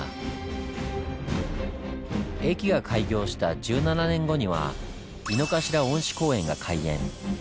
駅が開業した１７年後には井の頭恩賜公園が開園。